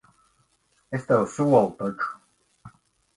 Es tev solu taču.